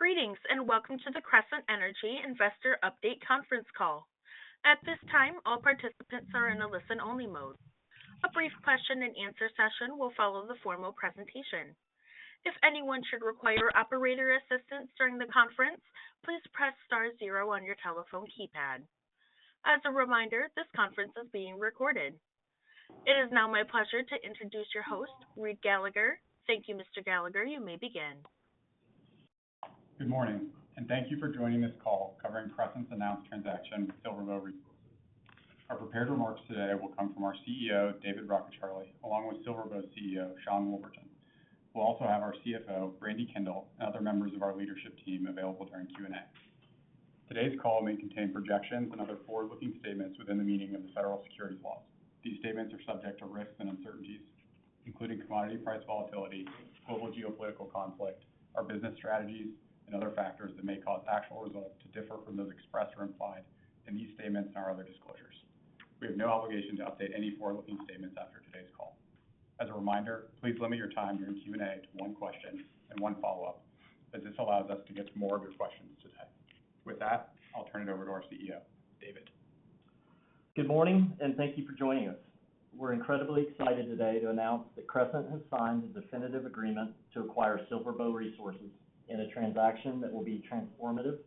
Greetings, and welcome to the Crescent Energy Investor Update Conference Call. At this time, all participants are in a listen-only mode. A brief question-and-answer session will follow the formal presentation. If anyone should require operator assistance during the conference, please press star zero on your telephone keypad. As a reminder, this conference is being recorded. It is now my pleasure to introduce your host, Reid Gallagher. Thank you, Mr. Gallagher. You may begin. Good morning, and thank you for joining this call covering Crescent's announced transaction with SilverBow Resources. Our prepared remarks today will come from our CEO, David Rockecharlie, along with SilverBow CEO, Sean Woolverton. We'll also have our CFO, Brandi Kendall, and other members of our leadership team available during Q&A. Today's call may contain projections and other forward-looking statements within the meaning of the Federal Securities laws. These statements are subject to risks and uncertainties, including commodity price volatility, global geopolitical conflict, our business strategies, and other factors that may cause actual results to differ from those expressed or implied in these statements and our other disclosures. We have no obligation to update any forward-looking statements after today's call. As a reminder, please limit your time during Q&A to one question and one follow-up, as this allows us to get to more of your questions today. With that, I'll turn it over to our CEO, David. Good morning, and thank you for joining us. We're incredibly excited today to announce that Crescent has signed a definitive agreement to acquire SilverBow Resources in a transaction that will be transformative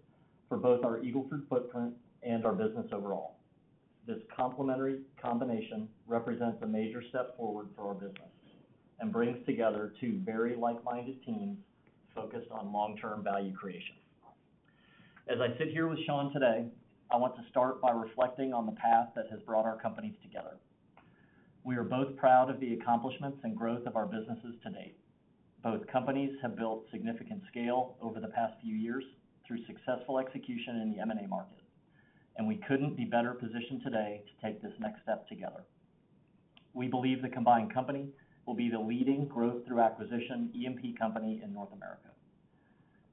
for both our Eagle Ford footprint and our business overall. This complementary combination represents a major step forward for our business and brings together two very like-minded teams focused on long-term value creation. As I sit here with Sean today, I want to start by reflecting on the path that has brought our companies together. We are both proud of the accomplishments and growth of our businesses to date. Both companies have built significant scale over the past few years through successful execution in the M&A market, and we couldn't be better positioned today to take this next step together. We believe the combined company will be the leading growth through acquisition E&P company in North America.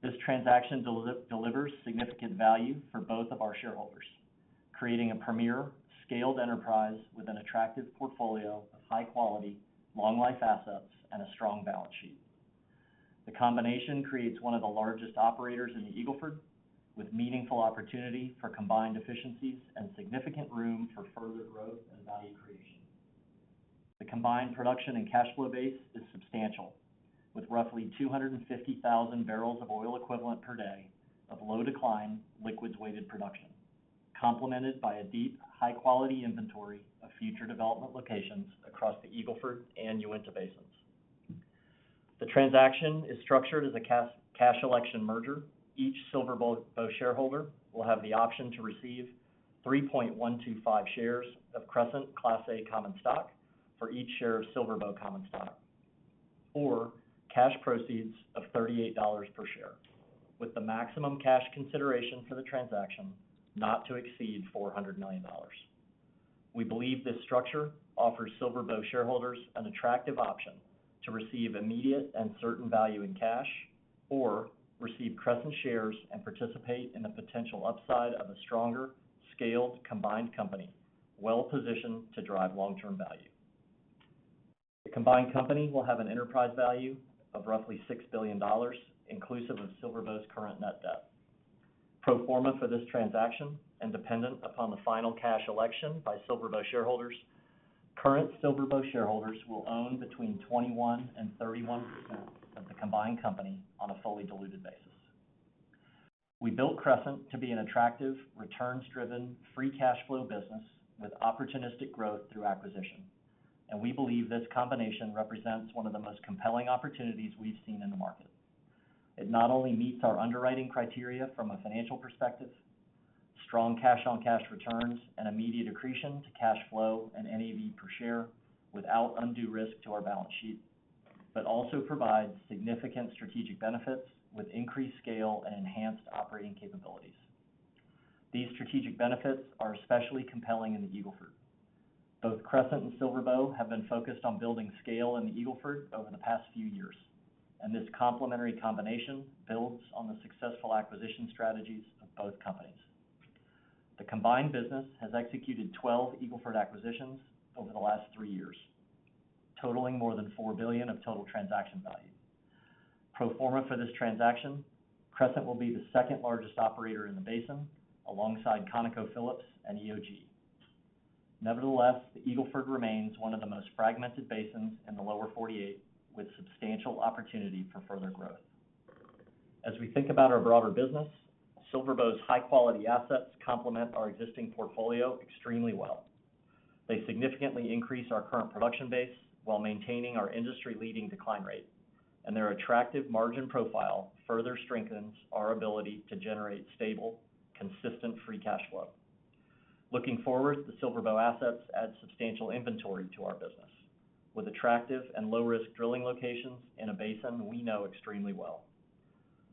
This transaction delivers significant value for both of our shareholders, creating a premier scaled enterprise with an attractive portfolio of high quality, long-life assets and a strong balance sheet. The combination creates one of the largest operators in the Eagle Ford, with meaningful opportunity for combined efficiencies and significant room for further growth and value creation. The combined production and cash flow base is substantial, with roughly 250,000 barrels of oil equivalent per day of low-decline, liquids-weighted production, complemented by a deep, high-quality inventory of future development locations across the Eagle Ford and Uinta Basins. The transaction is structured as a cash election merger. Each SilverBow shareholder will have the option to receive 3.125 shares of Crescent Class A common stock for each share of SilverBow common stock, or cash proceeds of $38 per share, with the maximum cash consideration for the transaction not to exceed $400 million. We believe this structure offers SilverBow shareholders an attractive option to receive immediate and certain value in cash, or receive Crescent shares and participate in the potential upside of a stronger, scaled, combined company, well positioned to drive long-term value. The combined company will have an enterprise value of roughly $6 billion, inclusive of SilverBow's current net debt. Pro forma for this transaction and dependent upon the final cash election by SilverBow shareholders, current SilverBow shareholders will own between 21% and 31% of the combined company on a fully diluted basis. We built Crescent to be an attractive, returns-driven, free cash flow business with opportunistic growth through acquisition, and we believe this combination represents one of the most compelling opportunities we've seen in the market. It not only meets our underwriting criteria from a financial perspective, strong cash-on-cash returns, and immediate accretion to cash flow and NAV per share without undue risk to our balance sheet, but also provides significant strategic benefits with increased scale and enhanced operating capabilities. These strategic benefits are especially compelling in the Eagle Ford. Both Crescent and SilverBow have been focused on building scale in the Eagle Ford over the past few years, and this complementary combination builds on the successful acquisition strategies of both companies. The combined business has executed 12 Eagle Ford acquisitions over the last 3 years, totaling more than $4 billion of total transaction value. Pro forma for this transaction, Crescent will be the second-largest operator in the basin, alongside ConocoPhillips and EOG. Nevertheless, the Eagle Ford remains one of the most fragmented basins in the Lower 48, with substantial opportunity for further growth. As we think about our broader business, SilverBow's high-quality assets complement our existing portfolio extremely well. They significantly increase our current production base while maintaining our industry-leading decline rate, and their attractive margin profile further strengthens our ability to generate stable, consistent free cash flow. Looking forward, the SilverBow assets add substantial inventory to our business, with attractive and low-risk drilling locations in a basin we know extremely well.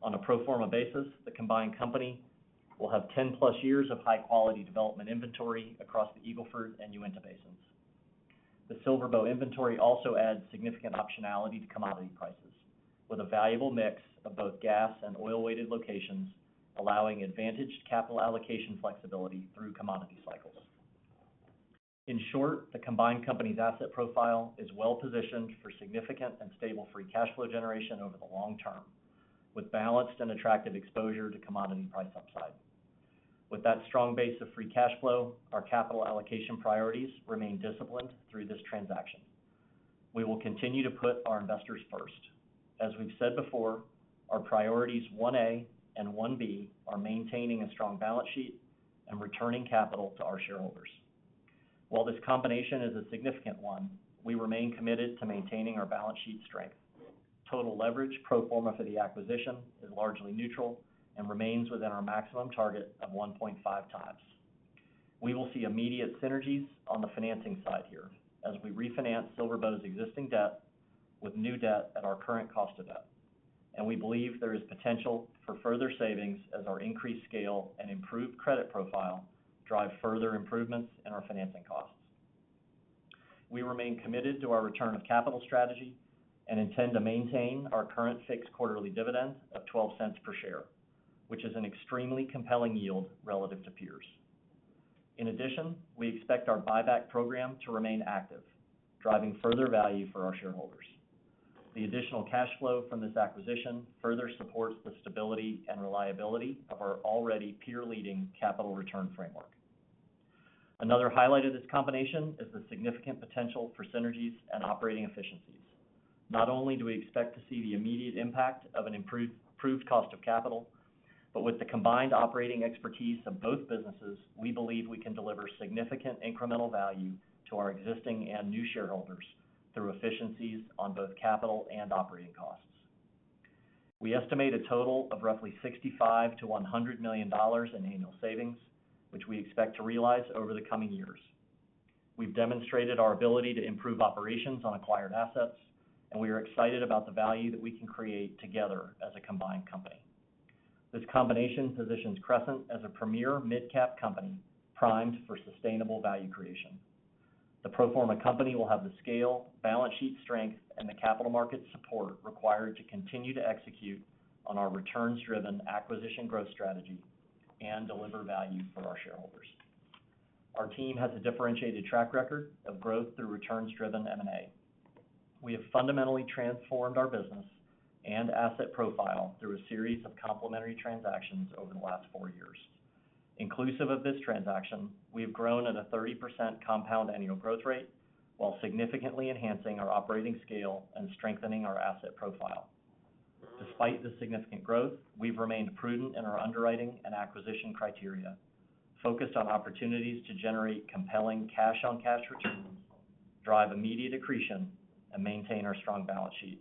On a pro forma basis, the combined company will have 10+ years of high-quality development inventory across the Eagle Ford and Uinta Basins. The SilverBow inventory also adds significant optionality to commodity prices, with a valuable mix of both gas and oil-weighted locations, allowing advantaged capital allocation flexibility through commodity cycles. In short, the combined company's asset profile is well-positioned for significant and stable free cash flow generation over the long term, with balanced and attractive exposure to commodity price upside. With that strong base of free cash flow, our capital allocation priorities remain disciplined through this transaction. We will continue to put our investors first. As we've said before, our priorities 1A and 1B are maintaining a strong balance sheet and returning capital to our shareholders. While this combination is a significant one, we remain committed to maintaining our balance sheet strength. Total leverage pro forma for the acquisition is largely neutral and remains within our maximum target of 1.5 times. We will see immediate synergies on the financing side here, as we refinance SilverBow's existing debt with new debt at our current cost of debt. We believe there is potential for further savings as our increased scale and improved credit profile drive further improvements in our financing costs. We remain committed to our return of capital strategy, and intend to maintain our current fixed quarterly dividend of $0.12 per share, which is an extremely compelling yield relative to peers. In addition, we expect our buyback program to remain active, driving further value for our shareholders. The additional cash flow from this acquisition further supports the stability and reliability of our already peer-leading capital return framework. Another highlight of this combination is the significant potential for synergies and operating efficiencies. Not only do we expect to see the immediate impact of an improved cost of capital, but with the combined operating expertise of both businesses, we believe we can deliver significant incremental value to our existing and new shareholders through efficiencies on both capital and operating costs. We estimate a total of roughly $65 million-$100 million in annual savings, which we expect to realize over the coming years. We've demonstrated our ability to improve operations on acquired assets, and we are excited about the value that we can create together as a combined company. This combination positions Crescent as a premier mid-cap company, primed for sustainable value creation. The pro forma company will have the scale, balance sheet strength, and the capital market support required to continue to execute on our returns-driven acquisition growth strategy and deliver value for our shareholders. Our team has a differentiated track record of growth through returns-driven M&A. We have fundamentally transformed our business and asset profile through a series of complementary transactions over the last four years. Inclusive of this transaction, we have grown at a 30% compound annual growth rate, while significantly enhancing our operating scale and strengthening our asset profile. Despite this significant growth, we've remained prudent in our underwriting and acquisition criteria, focused on opportunities to generate compelling cash-on-cash returns, drive immediate accretion, and maintain our strong balance sheet.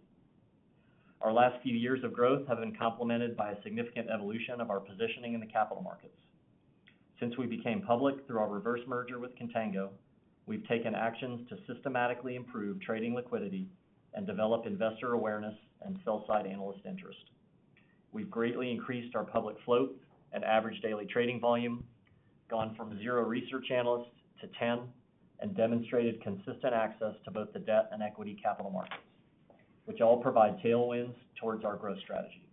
Our last few years of growth have been complemented by a significant evolution of our positioning in the capital markets. Since we became public through our reverse merger with Contango, we've taken actions to systematically improve trading liquidity and develop investor awareness and sell side analyst interest. We've greatly increased our public float and average daily trading volume, gone from zero research analysts to 10, and demonstrated consistent access to both the debt and equity capital markets, which all provide tailwinds towards our growth strategy.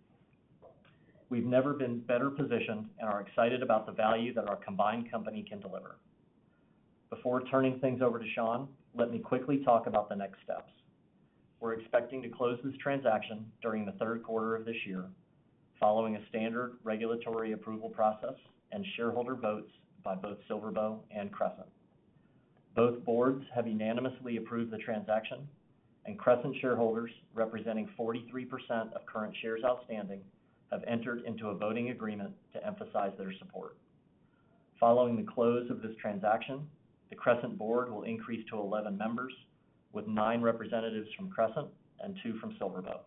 We've never been better positioned and are excited about the value that our combined company can deliver. Before turning things over to Sean, let me quickly talk about the next steps. We're expecting to close this transaction during the third quarter of this year, following a standard regulatory approval process and shareholder votes by both SilverBow and Crescent. Both boards have unanimously approved the transaction, and Crescent shareholders, representing 43% of current shares outstanding, have entered into a voting agreement to emphasize their support. Following the close of this transaction, the Crescent board will increase to 11 members, with 9 representatives from Crescent and 2 from SilverBow.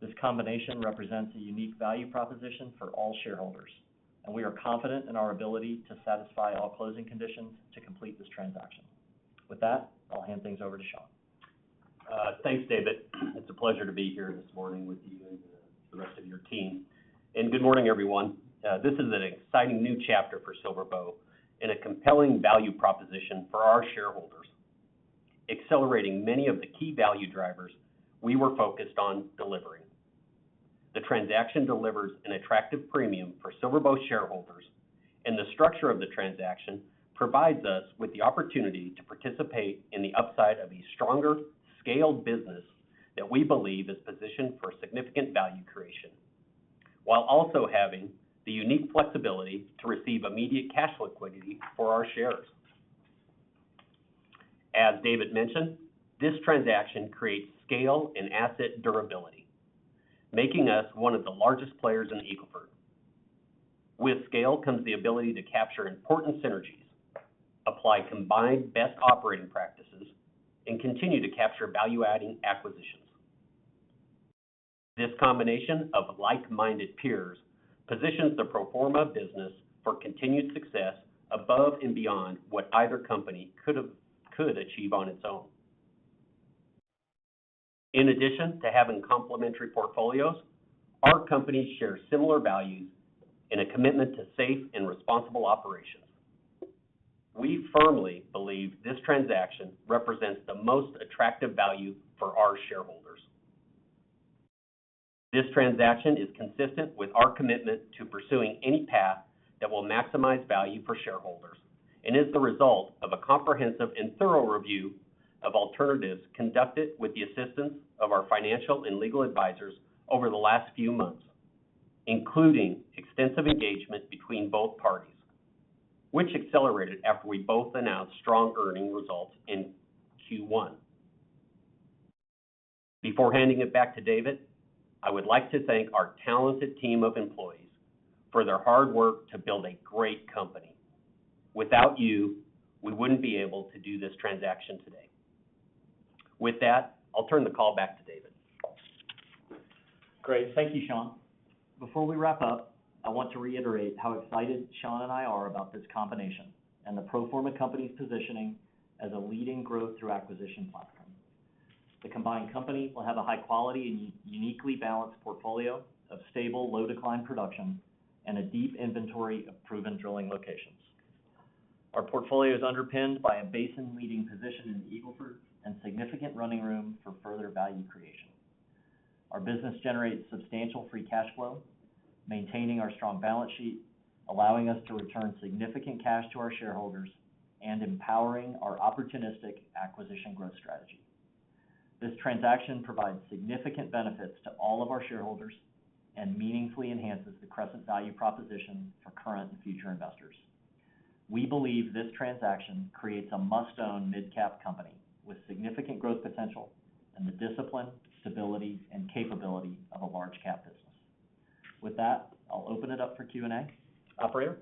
This combination represents a unique value proposition for all shareholders, and we are confident in our ability to satisfy all closing conditions to complete this transaction. With that, I'll hand things over to Sean. Thanks, David. It's a pleasure to be here this morning with you and the rest of your team. And good morning, everyone. This is an exciting new chapter for SilverBow and a compelling value proposition for our shareholders, accelerating many of the key value drivers we were focused on delivering. The transaction delivers an attractive premium for SilverBow shareholders, and the structure of the transaction provides us with the opportunity to participate in the upside of a stronger, scaled business that we believe is positioned for significant value creation, while also having the unique flexibility to receive immediate cash liquidity for our shares. As David mentioned, this transaction creates scale and asset durability, making us one of the largest players in Eagle Ford. With scale comes the ability to capture important synergies, apply combined best operating practices, and continue to capture value-adding acquisitions. This combination of like-minded peers positions the pro forma business for continued success above and beyond what either company could achieve on its own. In addition to having complementary portfolios, our companies share similar values and a commitment to safe and responsible operations. We firmly believe this transaction represents the most attractive value for our shareholders. This transaction is consistent with our commitment to pursuing any path that will maximize value for shareholders, and is the result of a comprehensive and thorough review of alternatives conducted with the assistance of our financial and legal advisors over the last few months, including extensive engagement between both parties, which accelerated after we both announced strong earnings results in Q1. Before handing it back to David, I would like to thank our talented team of employees for their hard work to build a great company. Without you, we wouldn't be able to do this transaction today. With that, I'll turn the call back to David. Great. Thank you, Sean. Before we wrap up, I want to reiterate how excited Sean and I are about this combination and the pro forma company's positioning as a leading growth through acquisition platform. The combined company will have a high quality and uniquely balanced portfolio of stable, low decline production and a deep inventory of proven drilling locations. Our portfolio is underpinned by a basin-leading position in the Eagle Ford and significant running room for further value creation. Our business generates substantial free cash flow, maintaining our strong balance sheet, allowing us to return significant cash to our shareholders, and empowering our opportunistic acquisition growth strategy. This transaction provides significant benefits to all of our shareholders and meaningfully enhances the Crescent value proposition for current and future investors. We believe this transaction creates a must-own midcap company with significant growth potential and the discipline, stability, and capability of a large cap business. With that, I'll open it up for Q&A. Operator?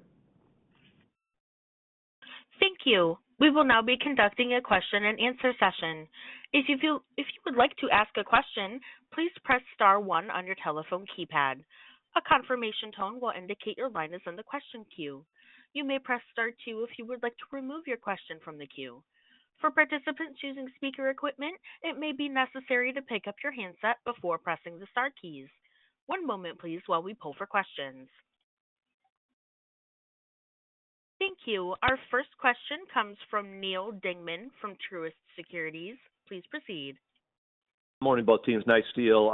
Thank you. We will now be conducting a question-and-answer session. If you would like to ask a question, please press star one on your telephone keypad. A confirmation tone will indicate your line is in the question queue. You may press Star two if you would like to remove your question from the queue. For participants using speaker equipment, it may be necessary to pick up your handset before pressing the star keys. One moment please, while we pull for questions. Thank you. Our first question comes from Neal Dingmann from Truist Securities. Please proceed. Morning, both teams. Nice deal.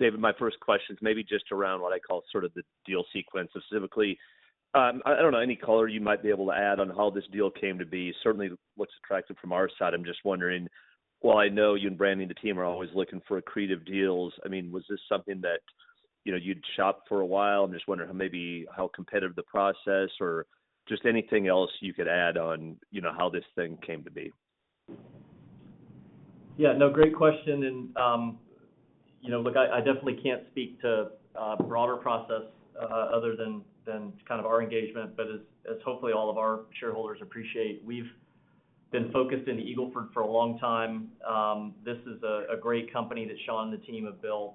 David, my first question is maybe just around what I call sort of the deal sequence. Specifically, I don't know, any color you might be able to add on how this deal came to be. Certainly what's attractive from our side. I'm just wondering, while I know you and Brandi and the team are always looking for accretive deals, I mean, was this something that, you know, you'd shopped for a while? I'm just wondering maybe how competitive the process or just anything else you could add on, you know, how this thing came to be. Yeah, no, great question, and, you know, look, I definitely can't speak to broader process other than kind of our engagement. But as hopefully all of our shareholders appreciate, we've been focused in the Eagle Ford for a long time. This is a great company that Sean and the team have built.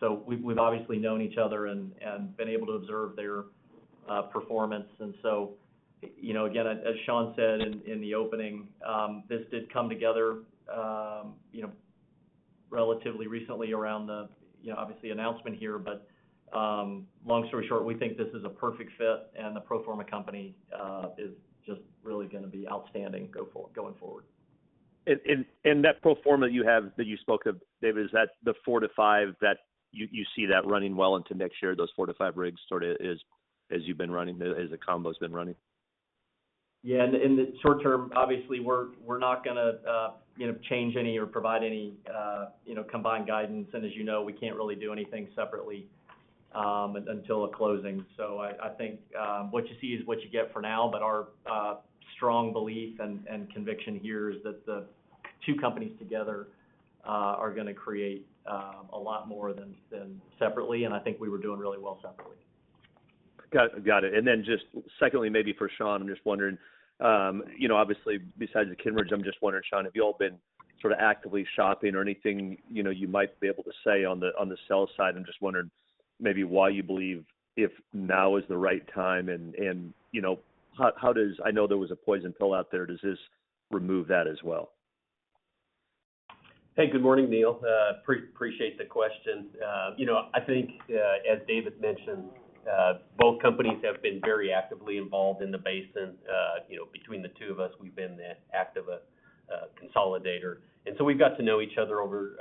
So we've obviously known each other and been able to observe their performance. And so, you know, again, as Sean said in the opening, this did come together, you know, relatively recently around the, you know, obviously, announcement here. But long story short, we think this is a perfect fit, and the pro forma company is just really going to be outstanding going forward. And that pro forma you have, that you spoke of, David, is that the 4-5 that you see that running well into next year, those 4-5 rigs, sort of, as you've been running, as the combo's been running? Yeah, in the short term, obviously, we're not going to, you know, change any or provide any, you know, combined guidance. And as you know, we can't really do anything separately until a closing. So I think what you see is what you get for now. But our strong belief and conviction here is that the two companies together are going to create a lot more than separately, and I think we were doing really well separately. Got it. Got it. And then just secondly, maybe for Sean, I'm just wondering, you know, obviously, besides the Kimmeridge, I'm just wondering, Sean, have you all been sort of actively shopping or anything, you know, you might be able to say on the, on the sell side? I'm just wondering maybe why you believe if now is the right time and, and you know, how does... I know there was a poison pill out there. Does this remove that as well? Hey, good morning, Neal. Appreciate the question. You know, I think, as David mentioned, both companies have been very actively involved in the basin. You know, between the two of us, we've been the active consolidator, and so we've got to know each other over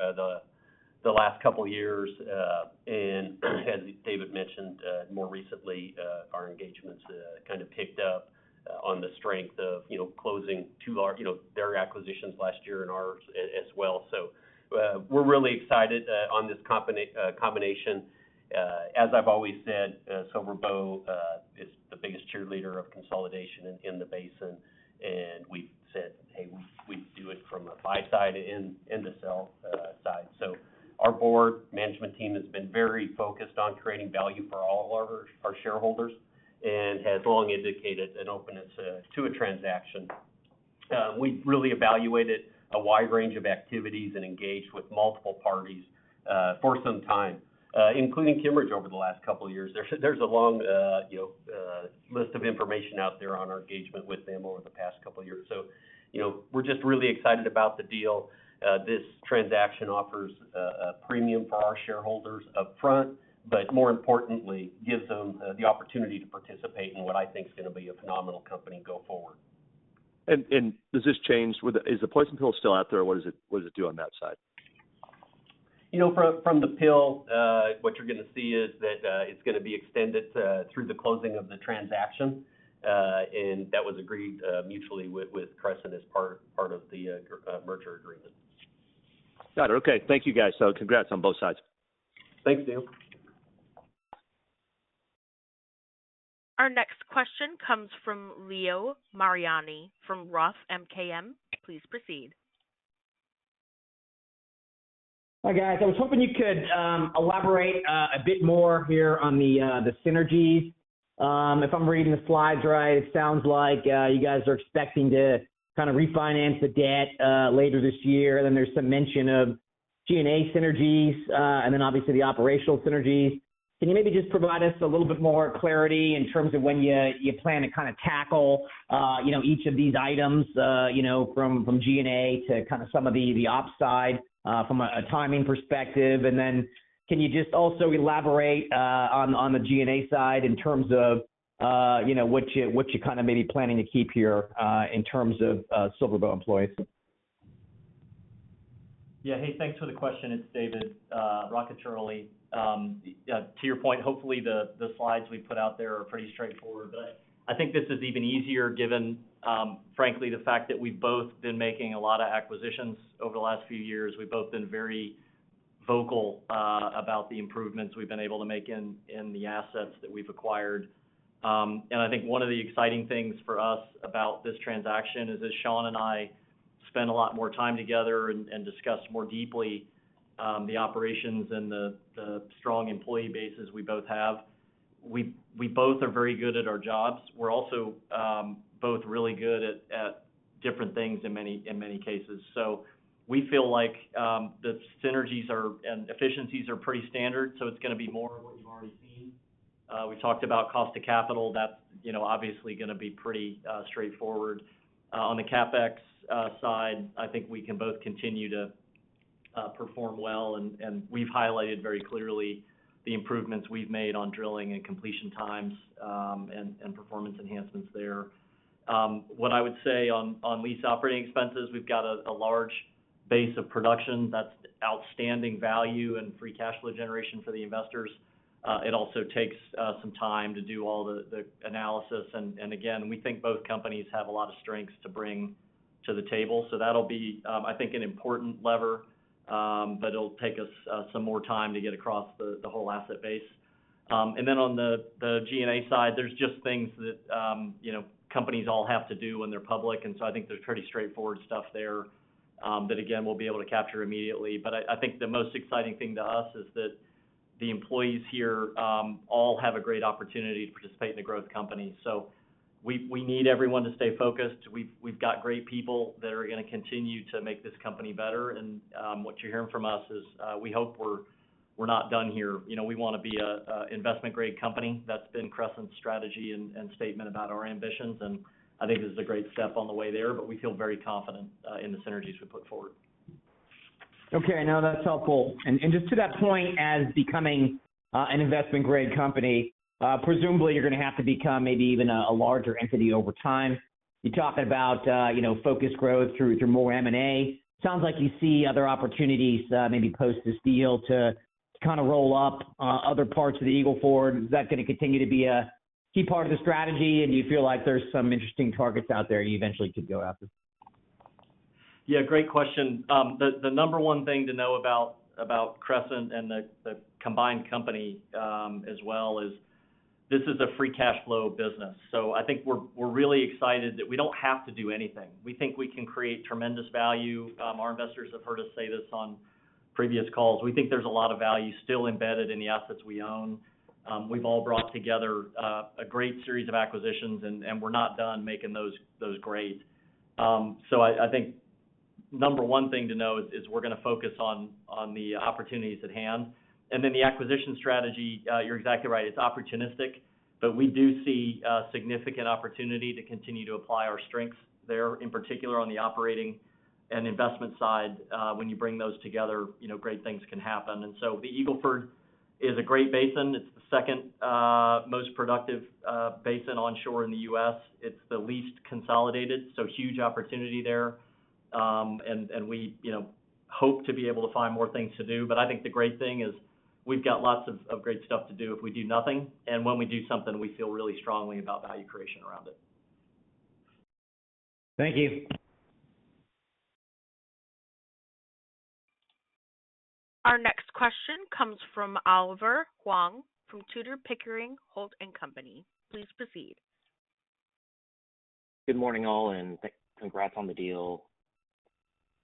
the last couple of years. And as David mentioned, more recently, our engagements kind of picked up on the strength of, you know, closing two large- you know, their acquisitions last year and ours as well. So, we're really excited on this combination. As I've always said, SilverBow is the biggest cheerleader of consolidation in the basin, and we've said, "Hey, we do it from a buy side and the sell side." So our board management team has been very focused on creating value for all of our shareholders and has long indicated an openness to a transaction. We've really evaluated a wide range of activities and engaged with multiple parties for some time, including Kimmeridge over the last couple of years. There's a long list of information out there on our engagement with them over the past couple of years. So, you know, we're just really excited about the deal. This transaction offers a premium for our shareholders upfront, but more importantly, gives them the opportunity to participate in what I think is going to be a phenomenal company go forward. And does this change with the, is the poison pill still out there, or what does it do on that side? You know, from the pill, what you're gonna see is that it's gonna be extended through the closing of the transaction, and that was agreed mutually with Crescent as part of the merger agreement. Got it. Okay. Thank you, guys. So congrats on both sides. Thanks, Neal. Our next question comes from Leo Mariani from Roth MKM. Please proceed. Hi, guys. I was hoping you could elaborate a bit more here on the synergies. If I'm reading the slides right, it sounds like you guys are expecting to kind of refinance the debt later this year. Then there's some mention of G&A synergies and then obviously, the operational synergies. Can you maybe just provide us a little bit more clarity in terms of when you plan to kind of tackle, you know, each of these items, you know, from G&A to kind of some of the ops side from a timing perspective? And then can you just also elaborate on the G&A side in terms of, you know, what you kind of may be planning to keep here in terms of SilverBow employees? Yeah. Hey, thanks for the question. It's David Rockecharlie. To your point, hopefully the slides we put out there are pretty straightforward. But I think this is even easier given, frankly, the fact that we've both been making a lot of acquisitions over the last few years. We've both been very vocal about the improvements we've been able to make in the assets that we've acquired. And I think one of the exciting things for us about this transaction is, as Sean and I spent a lot more time together and discussed more deeply the operations and the strong employee bases we both have, we both are very good at our jobs. We're also both really good at different things in many cases. So we feel like, the synergies are and efficiencies are pretty standard, so it's gonna be more of what you've already seen. We talked about cost of capital. That's, you know, obviously gonna be pretty, straightforward. On the CapEx side, I think we can both continue to perform well, and we've highlighted very clearly the improvements we've made on drilling and completion times, and performance enhancements there. What I would say on lease operating expenses, we've got a large base of production that's outstanding value and free cash flow generation for the investors. It also takes some time to do all the analysis. And again, we think both companies have a lot of strengths to bring to the table. So that'll be, I think, an important lever, but it'll take us some more time to get across the whole asset base. And then on the G&A side, there's just things that, you know, companies all have to do when they're public, and so I think there's pretty straightforward stuff there that, again, we'll be able to capture immediately. But I think the most exciting thing to us is that the employees here all have a great opportunity to participate in a growth company. So we need everyone to stay focused. We've got great people that are gonna continue to make this company better. And what you're hearing from us is we hope we're not done here. You know, we want to be a investment-grade company. That's been Crescent's strategy and statement about our ambitions, and I think this is a great step on the way there, but we feel very confident in the synergies we put forward. Okay, no, that's helpful. And just to that point, as becoming an investment-grade company, presumably, you're gonna have to become maybe even a larger entity over time. You talked about, you know, focused growth through more M&A. Sounds like you see other opportunities, maybe post this deal to kind of roll up other parts of the Eagle Ford. Is that gonna continue to be a key part of the strategy, and do you feel like there's some interesting targets out there you eventually could go after? Yeah, great question. The number one thing to know about Crescent and the combined company, as well, is this is a free cash flow business. So I think we're really excited that we don't have to do anything. We think we can create tremendous value. Our investors have heard us say this on previous calls. We think there's a lot of value still embedded in the assets we own. We've all brought together a great series of acquisitions, and we're not done making those great. So I think number one thing to know is we're gonna focus on the opportunities at hand. And then the acquisition strategy, you're exactly right, it's opportunistic, but we do see a significant opportunity to continue to apply our strengths there, in particular, on the operating and investment side. When you bring those together, you know, great things can happen. And so the Eagle Ford is a great basin. It's the second most productive basin onshore in the U.S. It's the least consolidated, so huge opportunity there. And we, you know, hope to be able to find more things to do. But I think the great thing is we've got lots of great stuff to do if we do nothing, and when we do something, we feel really strongly about value creation around it. Thank you. Our next question comes from Oliver Hwang from Tudor, Pickering, Holt & Company. Please proceed. Good morning, all, and thanks, congrats on the deal.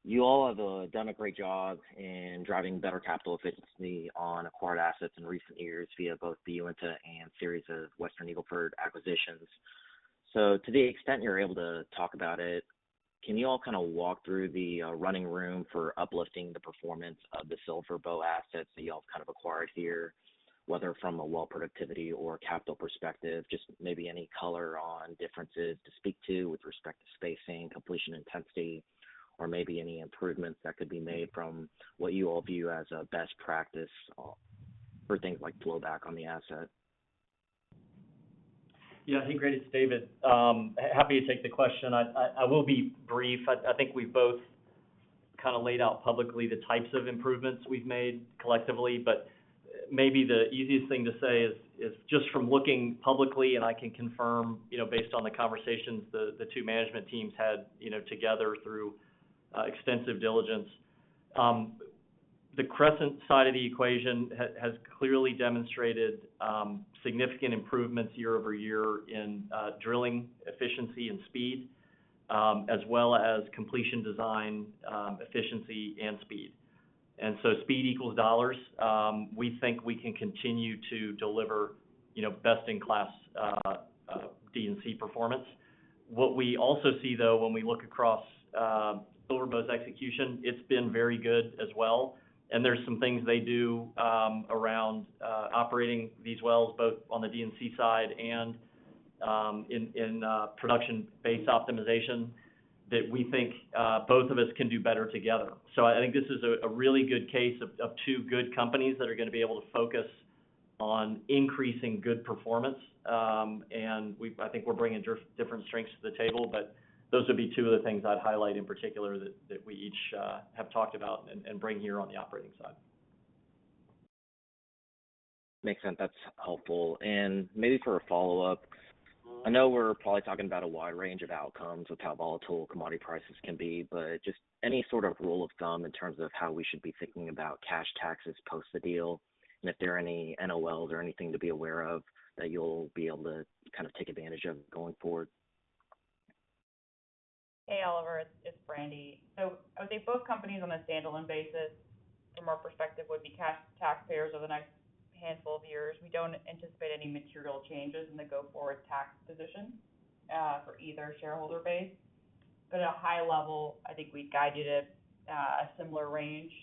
You all have done a great job in driving better capital efficiency on acquired assets in recent years via both the Uinta and series of Western Eagle Ford acquisitions. So to the extent you're able to talk about it, can you all kind of walk through the running room for uplifting the performance of the SilverBow assets that you all kind of acquired here, whether from a well productivity or capital perspective? Just maybe any color on differences to speak to with respect to spacing, completion intensity, or maybe any improvements that could be made from what you all view as a best practice for things like flowback on the asset? Yeah, I think, great, it's David. Happy to take the question. I will be brief. I think we both kind of laid out publicly the types of improvements we've made collectively, but maybe the easiest thing to say is just from looking publicly, and I can confirm, you know, based on the conversations the two management teams had, you know, together through extensive diligence. The Crescent side of the equation has clearly demonstrated significant improvements year-over-year in drilling efficiency and speed, as well as completion design, efficiency, and speed. And so speed equals dollars. We think we can continue to deliver, you know, best-in-class D&C performance. What we also see, though, when we look across SilverBow's execution, it's been very good as well, and there's some things they do around operating these wells, both on the D&C side and in production-based optimization, that we think both of us can do better together. So I think this is a really good case of two good companies that are gonna be able to focus on increasing good performance. And we—I think we're bringing different strengths to the table, but those would be two of the things I'd highlight in particular that we each have talked about and bring here on the operating side. Makes sense. That's helpful. And maybe for a follow-up, I know we're probably talking about a wide range of outcomes with how volatile commodity prices can be, but just any sort of rule of thumb in terms of how we should be thinking about cash taxes post the deal, and if there are any NOLs or anything to be aware of, that you'll be able to kind of take advantage of going forward? Hey, Oliver, it's Brandi. So I would say both companies on a standalone basis, from our perspective, would be cash taxpayers over the next handful of years. We don't anticipate any material changes in the go-forward tax position for either shareholder base. But at a high level, I think we'd guide you to a similar range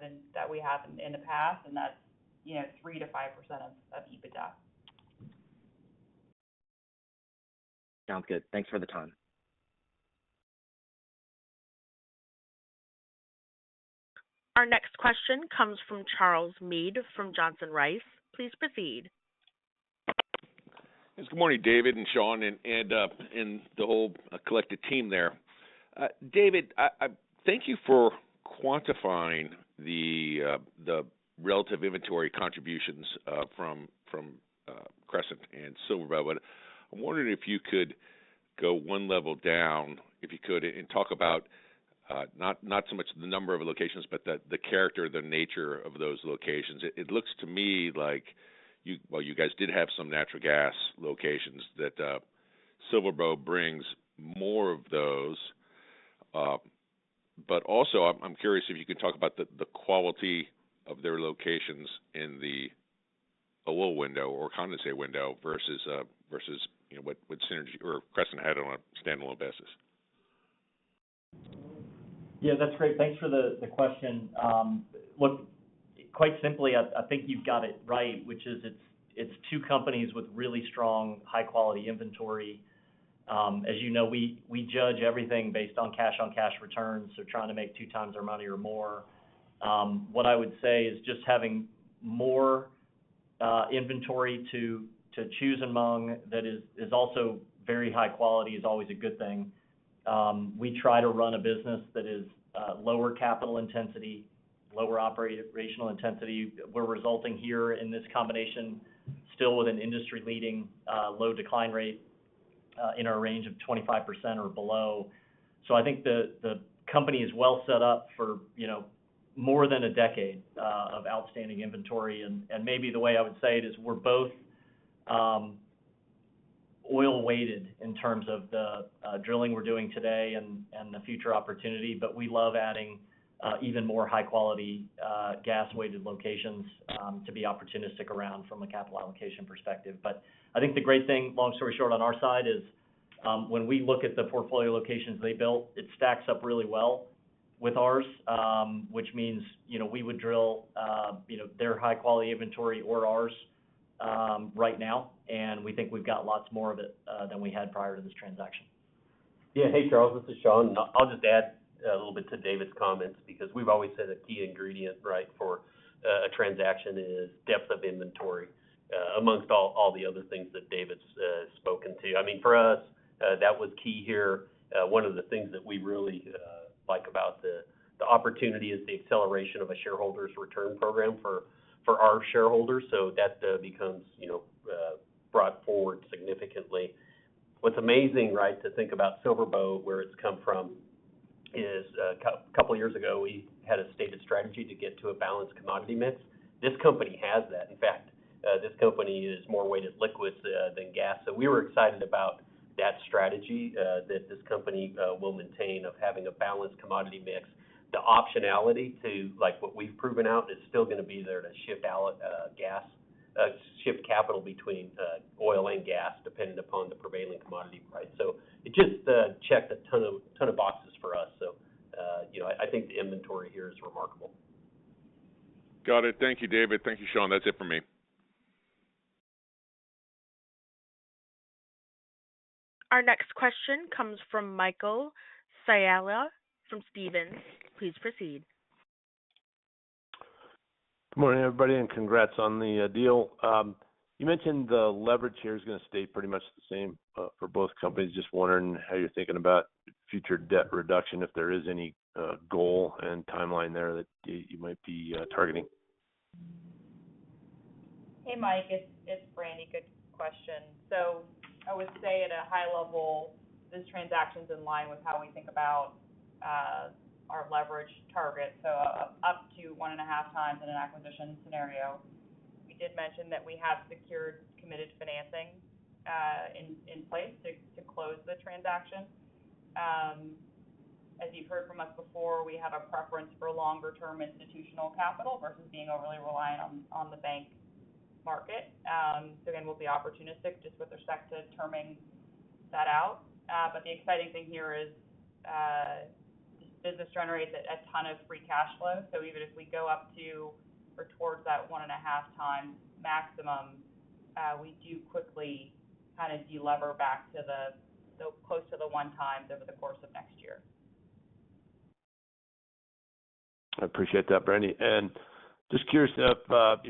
than that we have in the past, and that's, you know, 3%-5% of EBITDA. Sounds good. Thanks for the time. Our next question comes from Charles Mead from Johnson Rice. Please proceed. Good morning, David and Sean, and the whole collected team there. David, thank you for quantifying the relative inventory contributions from Crescent and SilverBow. I'm wondering if you could go one level down, if you could, and talk about not so much the number of locations, but the character, the nature of those locations. It looks to me like you—well, you guys did have some natural gas locations that SilverBow brings more of those. But also, I'm curious if you could talk about the quality of their locations in the oil window or condensate window versus, you know, what synergy or Crescent had on a standalone basis. Yeah, that's great. Thanks for the question. Look, quite simply, I think you've got it right, which is it's two companies with really strong, high-quality inventory. As you know, we judge everything based on cash on cash returns, so trying to make two times our money or more. What I would say is just having more inventory to choose among that is also very high quality is always a good thing. We try to run a business that is lower capital intensity, lower operational intensity. We're resulting here in this combination still with an industry-leading low decline rate in our range of 25% or below. So I think the company is well set up for, you know, more than a decade of outstanding inventory. Maybe the way I would say it is we're both oil-weighted in terms of the drilling we're doing today and the future opportunity, but we love adding even more high-quality gas-weighted locations to be opportunistic around from a capital allocation perspective. But I think the great thing, long story short, on our side, is when we look at the portfolio locations they built, it stacks up really well with ours, which means, you know, we would drill, you know, their high-quality inventory or ours right now, and we think we've got lots more of it than we had prior to this transaction. Yeah. Hey, Charles, this is Sean. I'll just add a little bit to David's comments, because we've always said a key ingredient, right, for a transaction is depth of inventory, amongst all the other things that David's spoken to. I mean, for us, that was key here. One of the things that we really like about the opportunity is the acceleration of a shareholder's return program for our shareholders. So that becomes, you know, brought forward significantly. What's amazing, right, to think about SilverBow, where it's come from, is a couple of years ago, we had a stated strategy to get to a balanced commodity mix. This company has that. In fact, this company is more weighted liquids than gas. So we were excited about that strategy, that this company will maintain of having a balanced commodity mix. The optionality to like what we've proven out is still gonna be there to shift gas, shift capital between oil and gas, depending upon the prevailing commodity price. So it just checked a ton of, ton of boxes for us. So, you know, I think the inventory here is remarkable. Got it. Thank you, David. Thank you, Sean. That's it for me. Our next question comes from Michael Scialla from Stephens. Please proceed. Good morning, everybody, and congrats on the deal. You mentioned the leverage here is gonna stay pretty much the same for both companies. Just wondering how you're thinking about future debt reduction, if there is any goal and timeline there that you might be targeting? Hey, Mike, it's Brandi. Good question. So I would say at a high level, this transaction's in line with how we think about our leverage target. So up to 1.5 times in an acquisition scenario. We did mention that we have secured committed financing in place to close the transaction. As you've heard from us before, we have a preference for longer-term institutional capital versus being overly reliant on the bank market. So again, we'll be opportunistic just with respect to terming that out. But the exciting thing here is this business generates a ton of free cash flow. So even if we go up to or towards that 1.5x maximum, we do quickly kind of delever back to so close to the 1x over the course of next year. I appreciate that, Brandi. And just curious if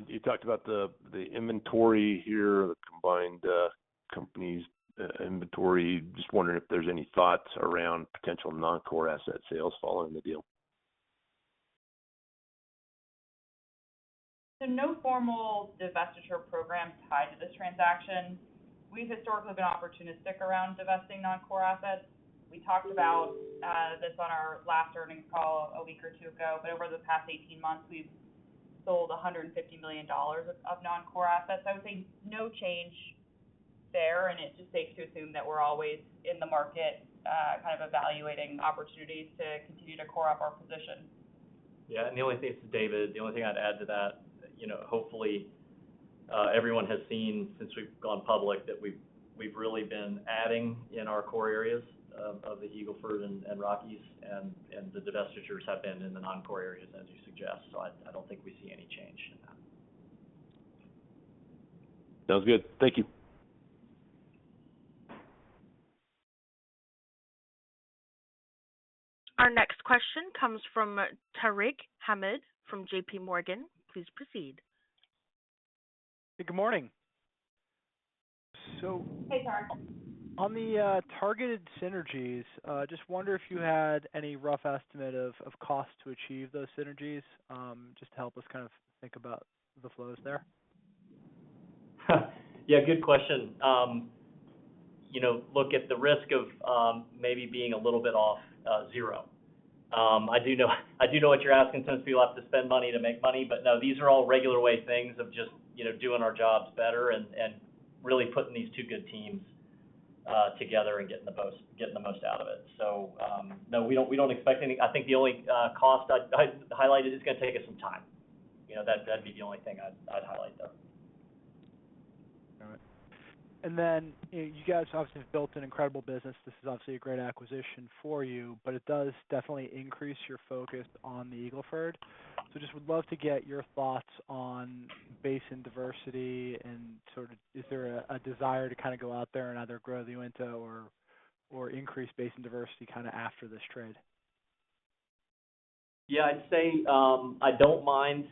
you talked about the inventory here, the combined company's inventory. Just wondering if there's any thoughts around potential non-core asset sales following the deal? So no formal divestiture program tied to this transaction. We've historically been opportunistic around divesting non-core assets. We talked about this on our last earnings call a week or two ago, but over the past 18 months, we've sold $150 million of non-core assets. I would say no change there, and it's just safe to assume that we're always in the market kind of evaluating opportunities to continue to core up our position. Yeah, and the only thing... This is David. The only thing I'd add to that, you know, hopefully everyone has seen since we've gone public that we've really been adding in our core areas of the Eagle Ford and Rockies, and the divestitures have been in the non-core areas, as you suggest. So I don't think we see any change in that. Sounds good. Thank you. Our next question comes from Tarek Hamid from JP Morgan. Please proceed. Hey, good morning. Hey, Tarek. On the targeted synergies, just wonder if you had any rough estimate of cost to achieve those synergies, just to help us kind of think about the flows there? Yeah, good question. You know, look, at the risk of maybe being a little bit off zero. I do know, I do know what you're asking, since we will have to spend money to make money, but no, these are all regular way things of just, you know, doing our jobs better and really putting these two good teams together and getting the most, getting the most out of it. So, no, we don't, we don't expect any. I think the only cost I'd, I'd highlight is it's gonna take us some time. You know, that'd, that'd be the only thing I'd, I'd highlight, though. All right. And then, you guys obviously have built an incredible business. This is obviously a great acquisition for you, but it does definitely increase your focus on the Eagle Ford. So just would love to get your thoughts on basin diversity and sort of, is there a, a desire to kind of go out there and either grow the Uinta or, or increase basin diversity kind of after this trade? Yeah, I'd say I don't mind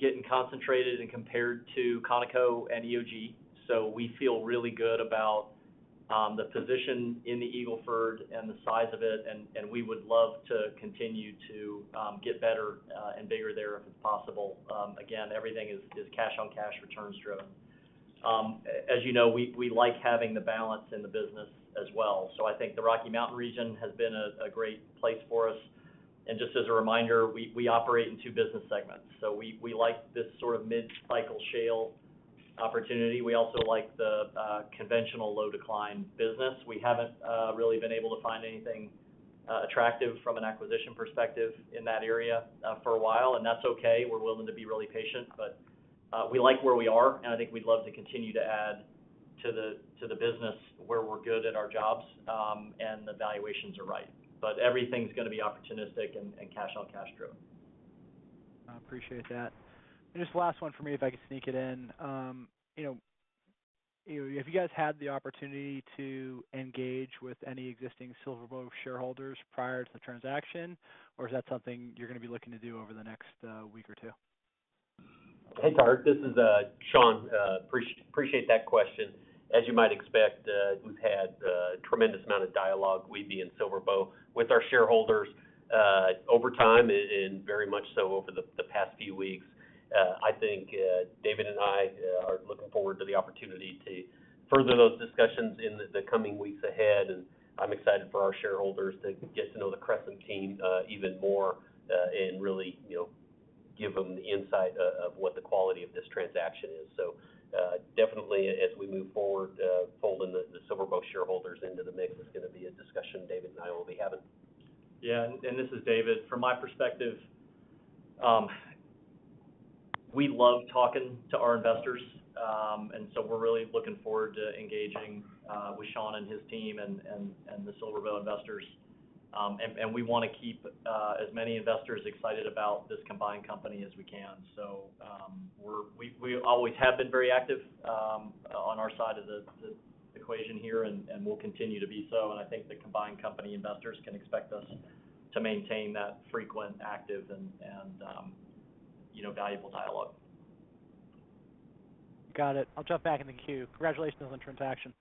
getting concentrated and compared to Conoco and EOG. So we feel really good about the position in the Eagle Ford and the size of it, and we would love to continue to get better and bigger there if it's possible. Again, everything is cash-on-cash returns driven. As you know, we like having the balance in the business as well. So I think the Rocky Mountain region has been a great place for us. And just as a reminder, we operate in two business segments. So we like this sort of mid-cycle shale opportunity. We also like the conventional low-decline business. We haven't really been able to find anything attractive from an acquisition perspective in that area for a while, and that's okay. We're willing to be really patient, but we like where we are, and I think we'd love to continue to add to the business where we're good at our jobs, and the valuations are right. But everything's gonna be opportunistic and cash-on-cash driven. I appreciate that. And just last one for me, if I could sneak it in. You know, have you guys had the opportunity to engage with any existing SilverBow shareholders prior to the transaction, or is that something you're gonna be looking to do over the next week or two? Hey, Tarek, this is Sean. Appreciate that question. As you might expect, we've had a tremendous amount of dialogue, we being SilverBow, with our shareholders over time and very much so over the past few weeks. I think David and I are looking forward to the opportunity to further those discussions in the coming weeks ahead, and I'm excited for our shareholders to get to know the Crescent team even more and really, you know, give them the insight of what the quality of this transaction is. So, definitely, as we move forward, folding the SilverBow shareholders into the mix is gonna be a discussion David and I will be having. Yeah, and this is David. From my perspective, we love talking to our investors, and so we're really looking forward to engaging with Sean and his team and the SilverBow investors.... And we wanna keep as many investors excited about this combined company as we can. So, we always have been very active on our side of the equation here, and we'll continue to be so. And I think the combined company investors can expect us to maintain that frequent, active, and you know, valuable dialogue. Got it. I'll jump back in the queue. Congratulations on the transaction.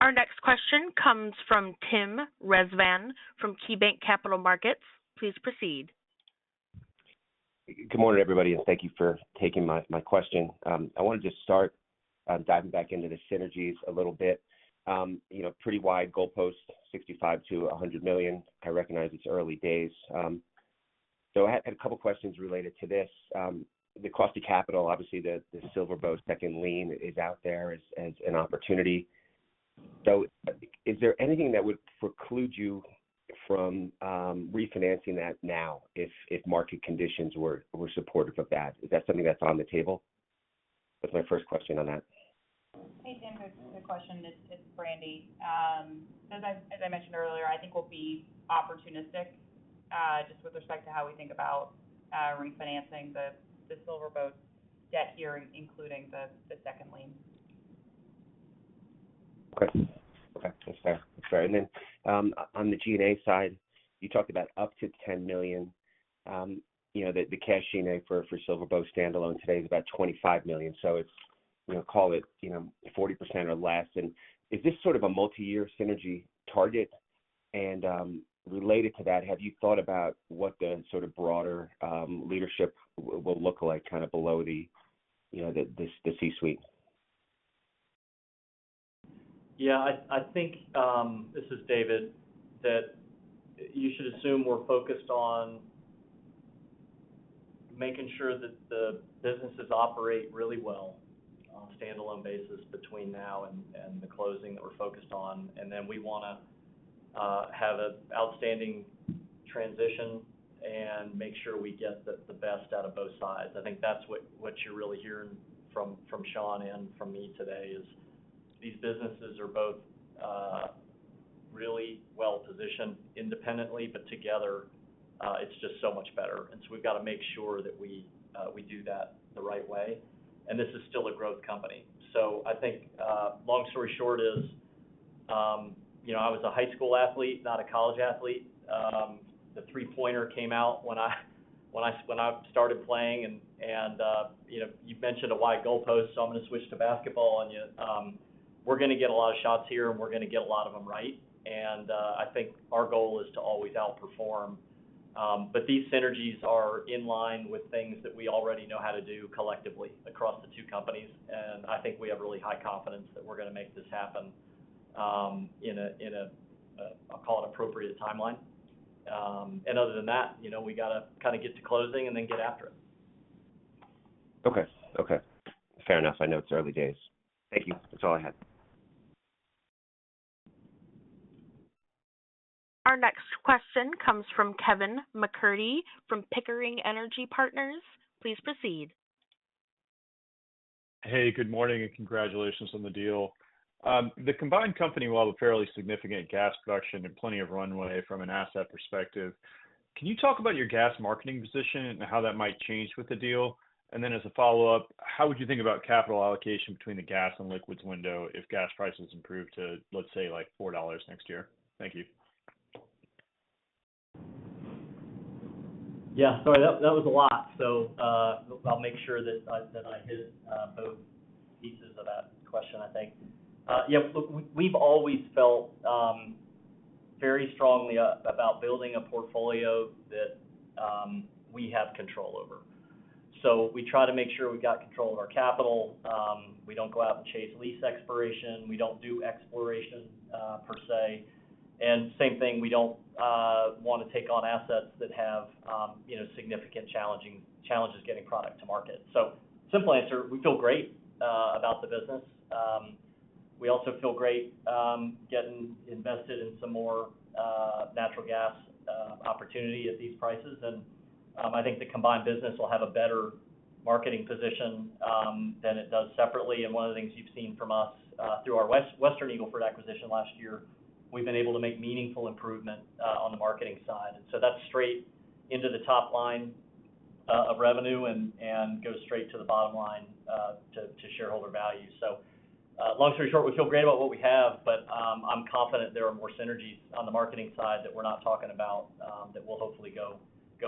Our next question comes from Tim Rezvan from KeyBanc Capital Markets. Please proceed. Good morning, everybody, and thank you for taking my question. I wanted to start diving back into the synergies a little bit. You know, pretty wide goalpost, $65 million-$100 million. I recognize it's early days. So I had a couple questions related to this. The cost of capital, obviously, the SilverBow second lien is out there as an opportunity. So is there anything that would preclude you from refinancing that now, if market conditions were supportive of that? Is that something that's on the table? That's my first question on that. Hey, Tim, good question. It's Brandi. As I mentioned earlier, I think we'll be opportunistic just with respect to how we think about refinancing the SilverBow debt here, including the second lien. Okay, that's fair. That's fair. And then, on the G&A side, you talked about up to $10 million. You know, the cash G&A for SilverBow standalone today is about $25 million. So it's, you know, call it 40% or less. And is this sort of a multi-year synergy target? And related to that, have you thought about what the sort of broader leadership will look like, kind of below the, you know, the C-suite? Yeah, I think this is David, that you should assume we're focused on making sure that the businesses operate really well on a standalone basis between now and the closing that we're focused on. And then we wanna have an outstanding transition and make sure we get the best out of both sides. I think that's what you're really hearing from Sean and from me today is, these businesses are both really well-positioned independently, but together it's just so much better. And so we've got to make sure that we do that the right way. And this is still a growth company. So I think long story short is, you know, I was a high school athlete, not a college athlete. The three-pointer came out when I started playing, and you know, you mentioned a wide goalpost, so I'm gonna switch to basketball on you. We're gonna get a lot of shots here, and we're gonna get a lot of them right. I think our goal is to always outperform. But these synergies are in line with things that we already know how to do collectively across the two companies, and I think we have really high confidence that we're gonna make this happen, in a, I'll call it appropriate timeline. Other than that, you know, we gotta kinda get to closing and then get after it. Okay, fair enough. I know it's early days. Thank you. That's all I had. Our next question comes from Kevin McCurdy, from Pickering Energy Partners. Please proceed. Hey, good morning, and congratulations on the deal. The combined company will have a fairly significant gas production and plenty of runway from an asset perspective. Can you talk about your gas marketing position and how that might change with the deal? And then as a follow-up, how would you think about capital allocation between the gas and liquids window if gas prices improve to, let's say, like $4 next year? Thank you. Yeah. Sorry, that was a lot. So, I'll make sure that I hit both pieces of that question, I think. Yeah, look, we've always felt very strongly about building a portfolio that we have control over. So we try to make sure we've got control of our capital. We don't go out and chase lease exploration. We don't do exploration per se. And same thing, we don't wanna take on assets that have, you know, significant challenges getting product to market. So simple answer, we feel great about the business. We also feel great getting invested in some more natural gas opportunity at these prices. And, I think the combined business will have a better marketing position than it does separately. One of the things you've seen from us, through our Western Eagle Ford acquisition last year, we've been able to make meaningful improvement on the marketing side. So that's straight into the top line of revenue and goes straight to the bottom line to shareholder value. Long story short, we feel great about what we have, but I'm confident there are more synergies on the marketing side that we're not talking about that we'll hopefully go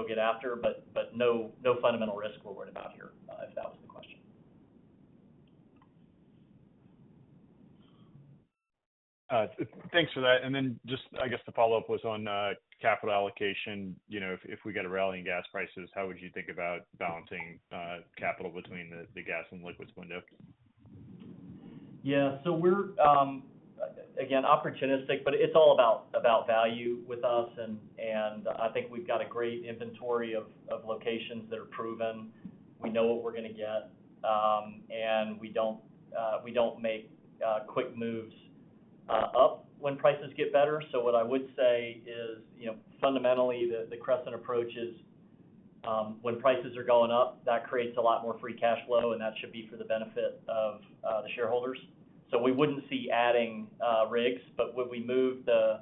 get after. But no fundamental risk we're worried about here, if that was the question. Thanks for that. And then just I guess the follow-up was on capital allocation. You know, if we get a rally in gas prices, how would you think about balancing capital between the gas and liquids window? Yeah. So we're, again, opportunistic, but it's all about value with us. And I think we've got a great inventory of locations that are proven. We know what we're gonna get, and we don't make quick moves up when prices get better. So what I would say is, you know, fundamentally, the Crescent approach is, when prices are going up, that creates a lot more free cash flow, and that should be for the benefit of the shareholders. So we wouldn't see adding rigs, but would we move the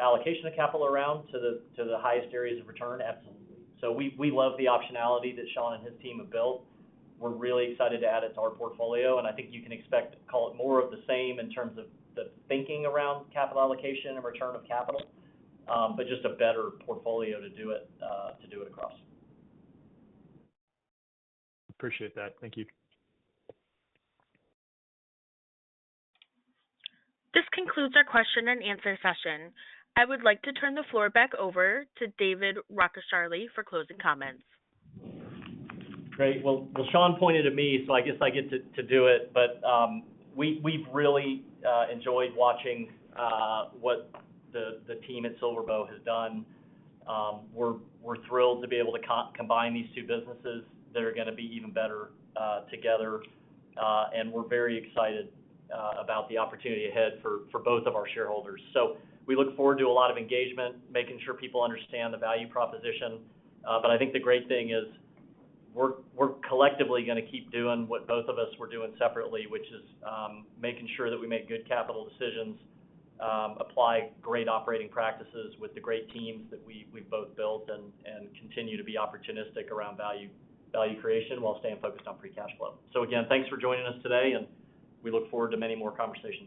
allocation of capital around to the highest areas of return? Absolutely. So we love the optionality that Sean and his team have built. We're really excited to add it to our portfolio, and I think you can expect, call it, more of the same in terms of the thinking around capital allocation and return of capital, but just a better portfolio to do it, to do it across. Appreciate that. Thank you. This concludes our question and answer session. I would like to turn the floor back over to David Rockecharlie for closing comments. Great. Sean pointed at me, so I guess I get to do it. But we've really enjoyed watching what the team at SilverBow has done. We're thrilled to be able to combine these two businesses that are gonna be even better together. And we're very excited about the opportunity ahead for both of our shareholders. So we look forward to a lot of engagement, making sure people understand the value proposition. But I think the great thing is, we're collectively gonna keep doing what both of us were doing separately, which is making sure that we make good capital decisions, apply great operating practices with the great teams that we've both built, and continue to be opportunistic around value creation, while staying focused on free cash flow. Again, thanks for joining us today, and we look forward to many more conversations.